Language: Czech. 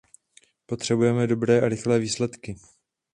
Potřebujeme dobré a rychlé výsledky!